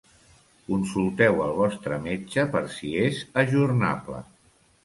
Consulteu al vostre metge per si és ajornable.